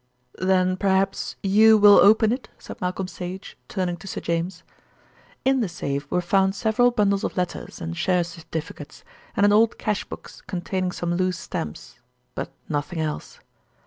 "Then perhaps you will open it?" said Malcolm Sage, turning to Sir James. In the safe were found several bundles of letters and share certificates, and an old cash box containing some loose stamps; but nothing else.